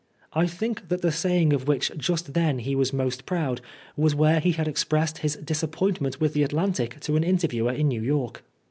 I think that the saying of which just then he was most proud was where he had expressed his disappointment with the Atlantic to an interviewer in New York.